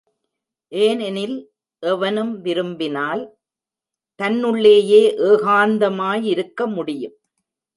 ஏனெனில் எவனும் விரும்பினால் தன்னுள்ளேயே ஏகாந்தமாயிருக்க முடியும்.